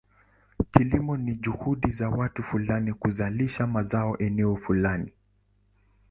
Kilimo ni juhudi za watu fulani kuzalisha mazao eneo fulani.